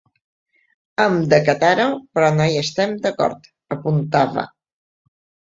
“Hem d’acatar-ho, però no hi estem d’acord”, apuntava.